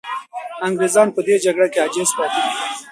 انګریزان په دې جګړه کې عاجز پاتې دي.